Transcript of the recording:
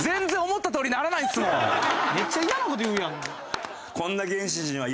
めっちゃ嫌な事言うやん。